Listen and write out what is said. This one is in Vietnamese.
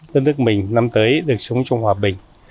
tân thức mình năm tới được sống trong hòa bình